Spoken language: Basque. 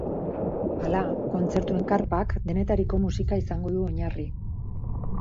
Hala, kontzertuen karpak denetariko musika izango du oinarri.